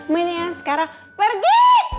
minya sekarang pergi